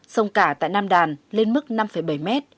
sông cả tại nam đàn lên mức năm bảy m